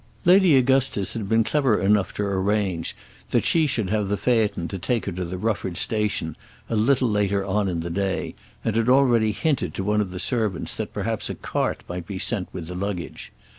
Lady Augustus had been clever enough to arrange that she should have the phaeton to take her to the Rufford Station a little later on in the day, and had already hinted to one of the servants that perhaps a cart might be sent with the luggage.